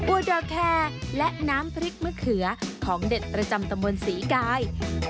อัวดอกแคร์และน้ำพริกมะเขือของเดชรจำตระมวลสีกาย